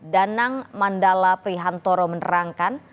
danang mandala prihantoro menerangkan